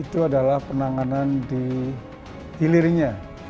itu adalah penanganan di hilirnya